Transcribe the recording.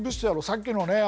さっきのね